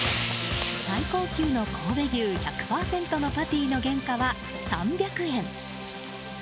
最高級の神戸牛１００％のパティの原価は３００円。